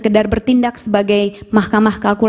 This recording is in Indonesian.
dengan menggunakan peraturan yang dipasarkan oleh mahkamah kalkulator